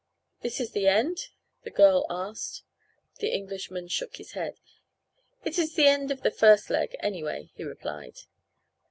"This is the end?" the girl asked. The Englishman shook his head. "It is the end of the first leg, anyway," he replied.